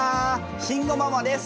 慎吾ママです！